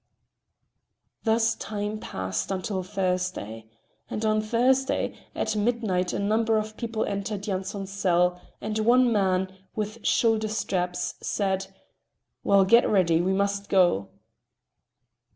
Thus time passed until Thursday. And on Thursday, at midnight a number of people entered Yanson's cell, and one man, with shoulder straps, said: "Well, get ready. We must go."